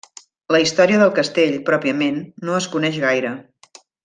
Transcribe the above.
La història del castell, pròpiament, no es coneix gaire.